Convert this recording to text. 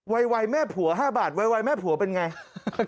วัยวายแม่ผัว๕บาทวัยวายแม่ผัวเป็นอย่างไร